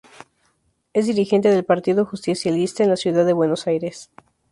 Es dirigente del Partido Justicialista en la Ciudad de Buenos Aires.